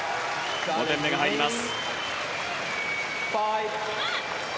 ５点目が入ります。